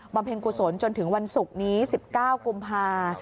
เพ็ญกุศลจนถึงวันศุกร์นี้๑๙กุมภา